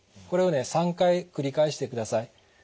これをね３回繰り返してください。